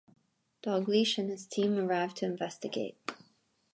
Dalgliesh and his team arrive to investigate.